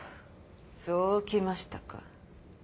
そうきましたか。